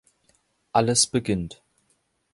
Alles beginnt.